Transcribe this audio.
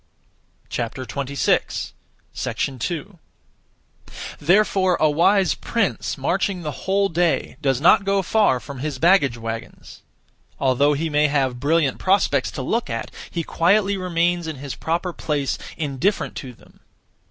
2. Therefore a wise prince, marching the whole day, does not go far from his baggage waggons. Although he may have brilliant prospects to look at, he quietly remains (in his proper place), indifferent to them.